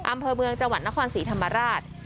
อำเภอเมืองจังหวัดนครศรีธรรมราช